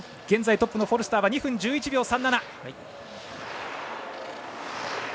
現在トップのフォルスター２分１１秒３７！